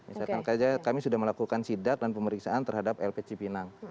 misalkan saja kami sudah melakukan sidak dan pemeriksaan terhadap lp cipinang